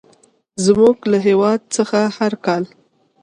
زموږ له هېواد څخه هر کال.